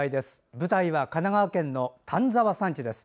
舞台は神奈川県の丹沢山地です。